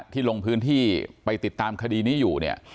ที่ลงพื้นที่ไปติดตามคดีนี้อยู่เนี่ย